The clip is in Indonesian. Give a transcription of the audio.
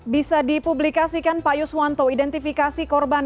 bisa dipublikasikan pak yuswanto identifikasi korban